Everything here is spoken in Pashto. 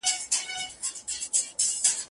کرونا جدی وګڼی.!